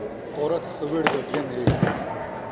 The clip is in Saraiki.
عورت سوّڑ دا جن ہے